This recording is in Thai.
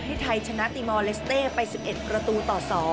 ให้ไทยชนะตีมอลเลสเต้ไป๑๑ประตูต่อ๒